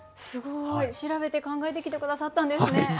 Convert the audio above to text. すごい。調べて考えてきて下さったんですね。